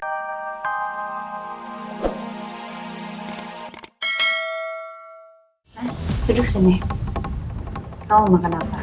kau mau makan apa